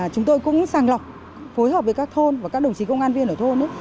chúng tôi cũng sàng lọc phối hợp với các thôn và các đồng chí công an viên ở thôn